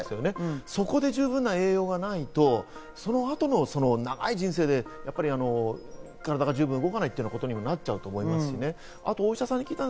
そこで十分な栄養がないと、その後の長い人生で体が十分動かないということにもなっちゃうので。